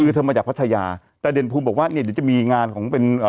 คือเธอมาจากพัทยาแต่เด่นภูมิบอกว่าเนี่ยเดี๋ยวจะมีงานของเป็นเอ่อ